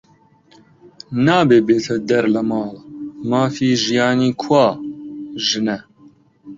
نابێ بێتە دەر لە ماڵ، مافی ژیانی کوا؟ ژنە